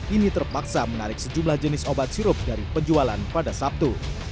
ini terpaksa menarik sejumlah jenis obat sirup dari penjualan pada sabtu